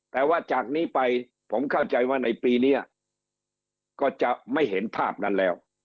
แต่ว่าจากนี้ไปผมเข้าใจว่าในปีนี้ก็จะไม่เห็นภาพนั้นแล้ว